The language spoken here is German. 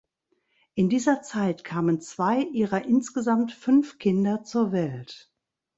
In dieser Zeit kamen zwei ihrer insgesamt fünf Kinder zur Welt.